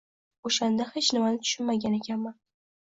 — O‘shanda hech nimani tushunmagan ekanman!